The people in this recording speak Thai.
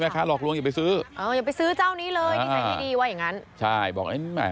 แม่ค้าหลอกลวงอย่าไปซื้อ